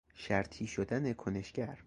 شرطی شدن کنشگر